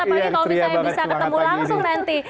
apalagi kalau misalnya bisa ketemu langsung nanti